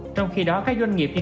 trong khi đó các doanh nghiệp như